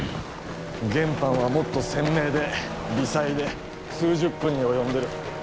原板はもっと鮮明で微細で数十分に及んでる。